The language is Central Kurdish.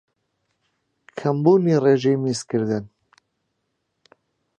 کەمبوونی رێژەی میزکردن